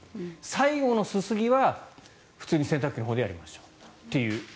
最後のすすぎは普通に洗濯機のほうでやりましょうと。